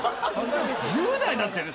１０代だったよね？